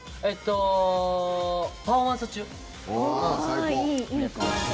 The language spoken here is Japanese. パフォーマンス中。